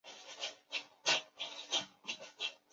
咸田镇建制撤销。